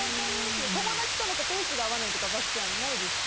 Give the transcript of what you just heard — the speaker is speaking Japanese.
友達とペースが合わないとか漠ちゃん、ないですか？